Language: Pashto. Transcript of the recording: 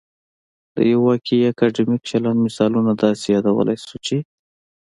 د یو واقعي اکادمیک چلند مثالونه داسې يادولای شو چې